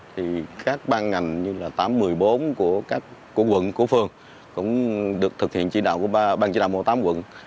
thì các ban ngành như là tám trăm một mươi bốn của quận của phường cũng được thực hiện chi đạo của ban chi đạo mô tám quận